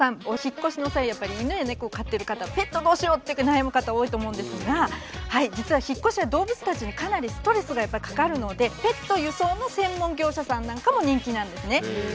お引っ越しの際やっぱり犬や猫を飼ってる方ペットどうしよう？って悩む方多いと思うんですが実は引っ越しは動物たちにかなりストレスがやっぱりかかるのでペット輸送の専門業者さんなんかも人気なんですね。